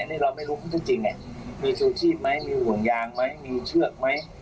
อันนาน่ะไม่รู้คือจริงไงมีภูมิทัวร์ชีพไหมหวงยางมั้ยมีเชือกไหม